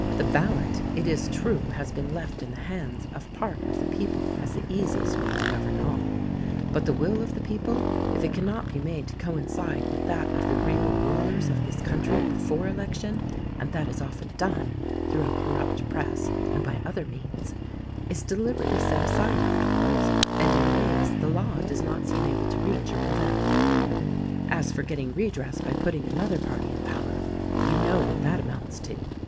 The ballot it is true has been left in the hands of part of the people as the easiest way to govern all ; but the will of the people, if it cannot be made to coincide with that of the real rulers of this country before election — and that is often done, through a corrupt press and by other means — is deliberately set aside afterwards; and in ways the law does not seem able to reach or prevent. As for getting redress by putting another party in power — you know what that amounts to.